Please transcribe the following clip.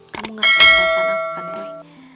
kamu gak akan merasakan boy